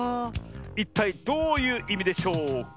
いったいどういういみでしょうか？